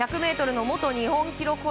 １００ｍの元日本記録